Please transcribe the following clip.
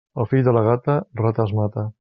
El fill de la gata, rates mata.